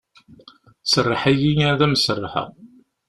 Serreḥ-iyi ad am-serrḥeɣ.